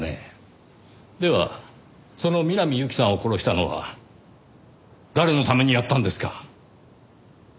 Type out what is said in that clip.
ではその南侑希さんを殺したのは誰のためにやったんですか？